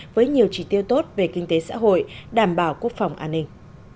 với nhiều chỉ tiêu tốt về kinh tế xã hội đảm bảo quốc phòng an ninh